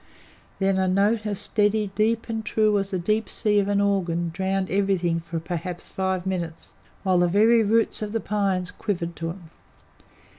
Then a note as steady, deep, and true as the deep C of the organ drowned everything for perhaps five minutes, while the very roots of the pines quivered to it.